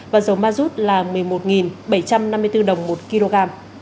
và dầu ma rút là một mươi một bảy trăm năm mươi bốn đồng một kg